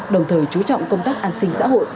đồng thời chú trọng công tác an sinh xã hội